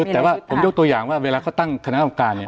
แต่ว่าผมยกตัวอย่างว่าเวลาเขาตั้งคณะกรรมการเนี่ย